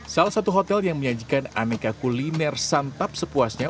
salah satu hotel yang menyajikan aneka kuliner santap sepuasnya